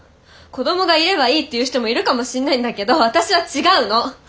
子どもがいればいいっていう人もいるかもしんないんだけど私は違うの！